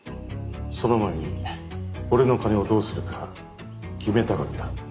その前に俺の金をどうするか決めたかった。